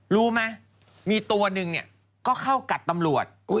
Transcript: รู้ไหมมีตัวหนึ่งก็เข้ากัดตำรวจ